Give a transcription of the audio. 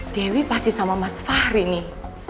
dewi pasti sama mas fahri nih